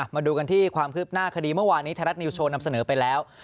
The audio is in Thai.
มาดูกันที่ความคืบหน้าคดีเมื่อวานนี้ไทยรัฐนิวโชว์นำเสนอไปแล้ว